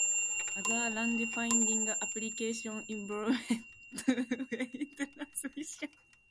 Other range-finding applications involve two-way transmissions.